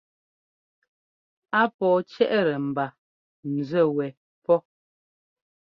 Á pɔ̌ɔ cɛ́ʼtɛ ḿba nzúɛ wɛ pɔ́.